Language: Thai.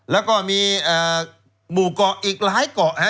แล้วก็มีหมู่เกาะอีกหลายเกาะ